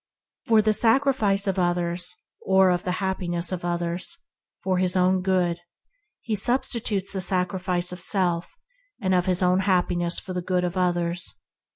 For the sacrifice of others or of the happi ness of others to his own good, he substi tutes the sacrifice of self and of his own happiness for the good of others.